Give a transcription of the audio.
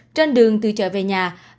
trên đường từ chợ về nhà